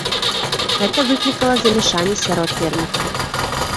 Гэта выклікала замяшанне сярод вернікаў.